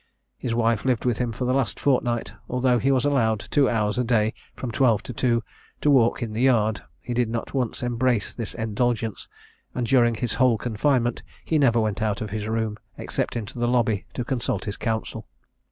His wife lived with him for the last fortnight; although he was allowed two hours a day, from twelve to two, to walk in the yard, he did not once embrace this indulgence; and during his whole confinement, he never went out of his room, except into the lobby to consult his counsel.